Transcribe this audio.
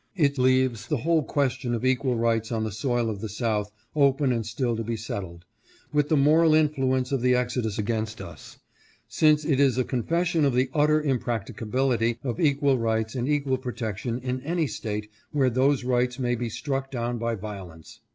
It lsaves the whole question of equal rights on the soil of the South open and still to be settled, with the moral influence of the exodus against us, since it is a confession of the utter impracticability of equal rights and equal protection in any State where those rights may be struck down by violence.